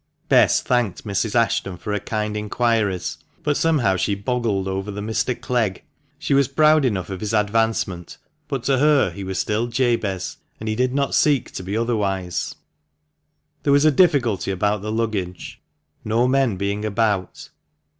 Bess thanked Mrs. Ashton for her kind inquiries, but somehow she boggled over the "Mr. Clegg." She was proud enough of his advancement, but to her he was still "Jabez," and he did not seek to be otherwise. There was a difficulty about the luggage, no men being about.